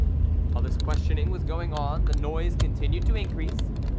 While this questioning was going on the noise continued to increase.